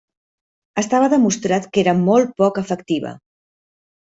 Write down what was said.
Estava demostrat que era molt poc efectiva.